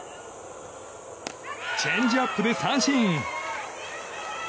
チェンジアップで三振。